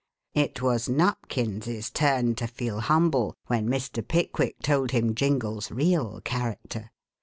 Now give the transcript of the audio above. It was Nupkins's turn to feel humble when Mr. Pickwick told him Jingle's real character.